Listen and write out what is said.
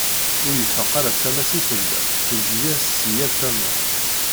Ur ifaq ara tama-s i tella tezzi-as si yal tama.